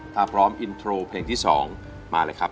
ถ้าพร้อมอินโทรเพลงที่๒มาเลยครับ